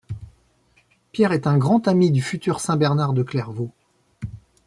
Pierre est un grand ami du futur saint Bernard de Clairvaux.